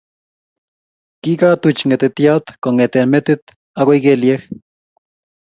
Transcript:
Kigatuch ngetetyaat kongete metit agoi kelyek